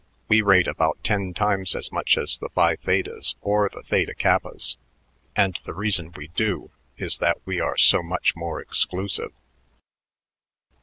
We rate about ten times as much as the Phi Thetas or the Theta Kappas, and the reason we do is that we are so much more exclusive."